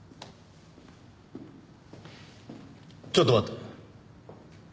ちょっと待って。